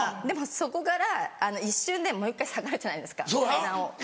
でもそこから一瞬でもう１回下がるじゃないですか階段を。